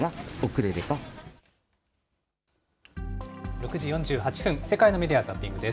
６時４８分、世界のメディア・ザッピングです。